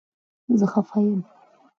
زه خفه یم